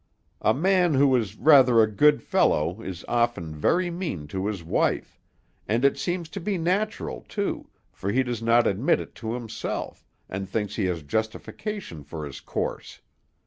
A man who is rather a good fellow is often very mean to his wife; and it seems to be natural, too, for he does not admit it to himself, and thinks he has justification for his course.